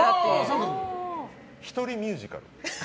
１人ミュージカル。